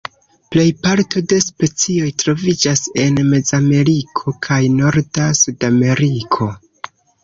Plej parto de specioj troviĝas en Mezameriko kaj norda Sudameriko.